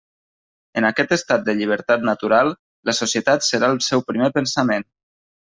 En aquest estat de llibertat natural, la societat serà el seu primer pensament.